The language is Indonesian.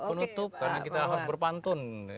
penutup karena kita harus berpantun